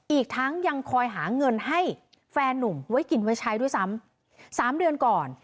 อีกทั้งยังคอยหาเงินให้แฟนนุ่มไว้กินไว้ใช้ด้วยซ้ำสามเดือนก่อน